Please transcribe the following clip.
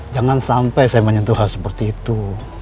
jangan sampai saya menyentuh hal seperti itu